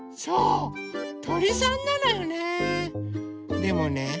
でもね